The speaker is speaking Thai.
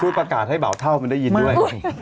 ประกาศให้เบาเท่ามันได้ยินด้วย